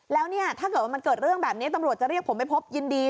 แล้วเนี่ยถ้าเกิดว่ามันเกิดเรื่องแบบนี้ตำรวจจะเรียกผมไปพบยินดี